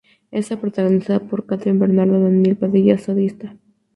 Está protagonizada por Kathryn Bernardo, Daniel Padilla, Jodi Sta.